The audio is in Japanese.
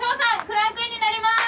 クランクインになります